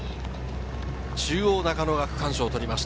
中央・中野が区間賞をとりました。